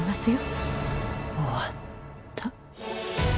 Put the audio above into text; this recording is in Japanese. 終わった。